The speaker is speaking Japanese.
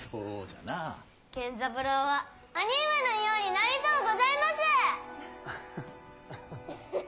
源三郎は兄上のようになりとうございます！